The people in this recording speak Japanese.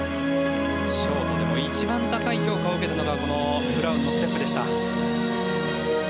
ショートでも一番高い評価を受けたのがブラウンのステップでした。